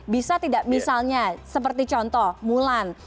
bisa tidak misalnya seperti contoh mulan